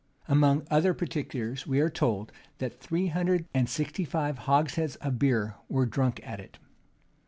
Among other particulars, we are told that three hundred and sixty five hogsheads of beer were drunk at it.